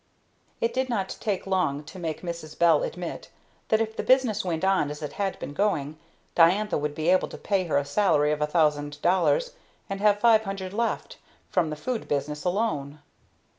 It did not take long to make Mrs. Bell admit that if the business went on as it had been going Diantha would be able to pay her a salary of a thousand dollars, and have five hundred left from the food business alone.